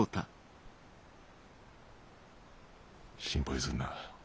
心配すんな。